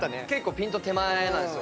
ピント手前なんですよ。